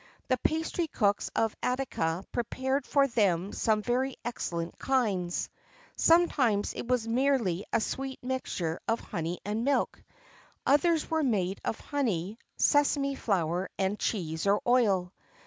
The pastry cooks of Attica prepared for them some very excellent kinds; sometimes it was merely a sweet mixture of honey and milk;[XXIV 10] others were made of honey, sesame flour, and cheese or oil.